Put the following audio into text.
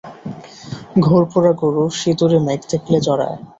ঘর পোড়া গরু সিঁদুরে মেঘ দেখলে ডড়ায়।